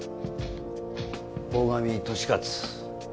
鴻上利勝。